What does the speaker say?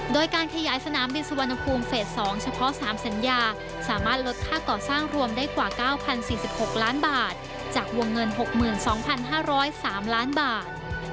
โดยการขยายสนามบินสุวรรณภูมิเฟส๒เฉพาะ๓สัญญาสามารถลดค่าก่อสร้างรวมได้กว่า๙๐๔๖ล้านบาทจากวงเงิน๖๒๕๐๓ล้านบาท